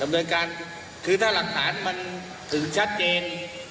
ดำเนินการคือถ้าหลักฐานมันถึงชัดเจน